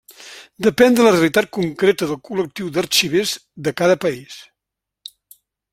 Depèn de la realitat concreta del col·lectiu d'arxivers de cada país.